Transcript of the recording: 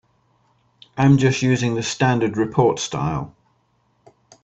I'm just using the standard report style.